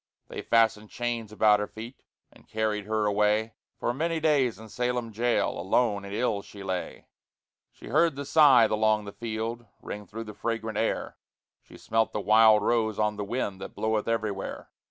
They fastened chains about her feet, And carried her away; For many days in Salem jail Alone and ill she lay She heard the scythe along the field Ring through the fragrant air, She smelt the wild rose on the wind That bloweth everywhere.